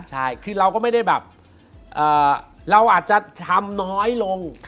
ใช่คือเราก็ไม่ได้แบบเราอาจจะทำน้อยลง